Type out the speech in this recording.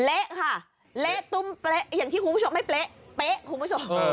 เละค่ะเละตุ้มเป๊ะอย่างที่คุณผู้ชมไม่เป๊ะเป๊ะคุณผู้ชม